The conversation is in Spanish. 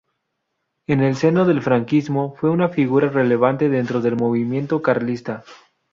En el seno del franquismo fue una figura relevante dentro del movimiento carlista.